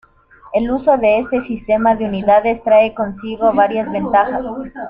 El uso de este sistema de unidades trae consigo varias ventajas.